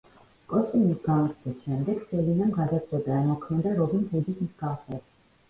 კოსტიუმის გამოცდის შემდეგ სელინამ გადაწყვიტა ემოქმედა რობინ ჰუდის მსგავსად.